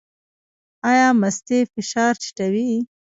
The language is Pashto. ایا مستې فشار ټیټوي؟